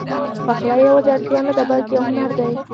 پخلی یواځې اړتیا نه ده، بلکې یو هنر دی.